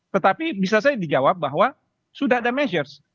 tetapi bisa saja dijawab bahwa sudah ada measures